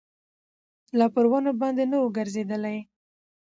لا پر ونو باندي نه ووګرځېدلی